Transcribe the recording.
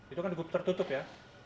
itu kan tertutup ya